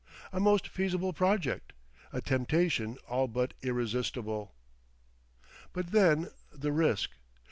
A most feasible project! A temptation all but irresistible! But then the risk....